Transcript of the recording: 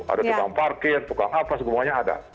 ada tukang parkir tukang hapus hubungannya ada